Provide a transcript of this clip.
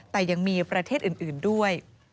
แต่ยังมีประเทศอื่นด้วย